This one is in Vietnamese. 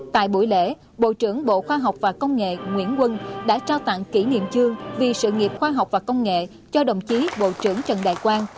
tại buổi lễ bộ trưởng bộ khoa học và công nghệ nguyễn quân đã trao tặng kỷ niệm chương vì sự nghiệp khoa học và công nghệ cho đồng chí bộ trưởng trần đại quang